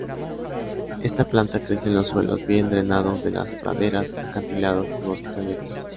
Esta planta crece en suelos bien drenados de las praderas, acantilados y bosques abiertos.